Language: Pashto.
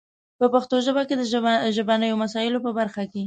په پښتو ژبه کې د ژبنیو مسایلو په برخه کې